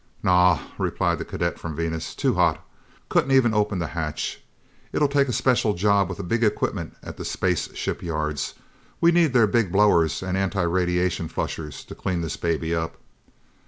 "Naw!" replied the cadet from Venus. "Too hot! Couldn't even open the hatch. It'll take a special job with the big equipment at the space shipyards. We need their big blowers and antiradiation flushers to clean this baby up."